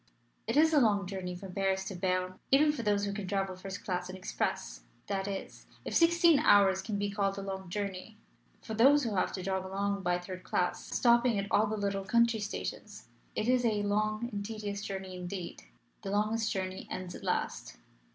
It is a long journey from Paris to Berne even for those who can travel first class and express that is, if sixteen hours can be called a long journey. For those who have to jog along by third class, stopping at all the little country stations, it is a long and tedious journey indeed. The longest journey ends at last.